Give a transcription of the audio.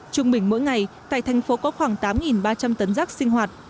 trung bình mỗi ngày tại thành phố có khoảng tám ba trăm linh tấn rác sinh hoạt